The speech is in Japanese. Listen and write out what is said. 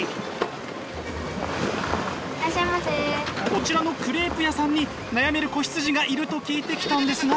こちらのクレープ屋さんに悩める子羊がいると聞いてきたんですが。